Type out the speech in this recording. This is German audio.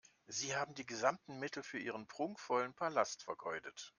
Sie haben die gesamten Mittel für Ihren prunkvollen Palast vergeudet.